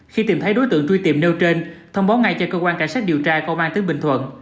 khi tìm thấy đối tượng truy tìm nêu trên thông báo ngay cho cơ quan cảnh sát điều tra công an tỉnh bình thuận